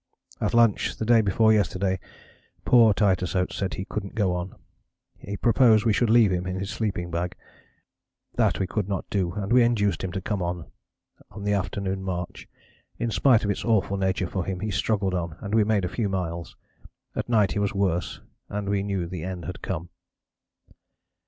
At lunch, the day before yesterday, poor Titus Oates said he couldn't go on; he proposed we should leave him in his sleeping bag. That we could not do, and we induced him to come on, on the afternoon march. In spite of its awful nature for him he struggled on and we made a few miles. At night he was worse and we knew the end had come.